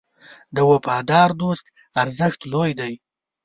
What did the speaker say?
د وفادار دوست ارزښت لوی دی.